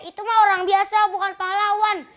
itu mah orang biasa bukan pahlawan